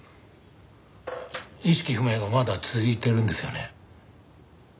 意識不明がまだ続いてるんですよね？